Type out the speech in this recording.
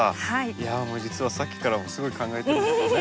いやあもう実はさっきからすごい考えてるんですね。